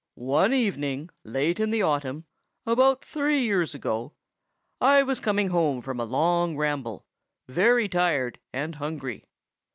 One evening, late in the autumn, about three years ago, I was coming home from a long ramble, very tired and hungry.